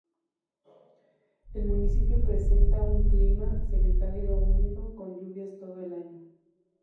El municipio presenta un clima, Semicálido húmedo con lluvias todo el año.